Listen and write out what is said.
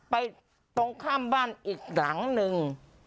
ตรงข้ามบ้านอีกหลังหนึ่ง